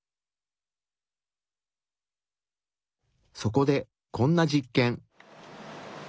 そこでこんな実験。